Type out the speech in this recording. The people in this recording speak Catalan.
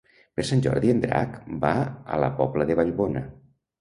Per Sant Jordi en Drac va a la Pobla de Vallbona.